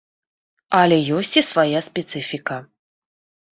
Але ёсць і свая спецыфіка.